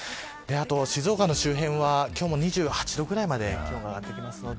静岡の周辺は今日も２８度ぐらいまで上がってきます。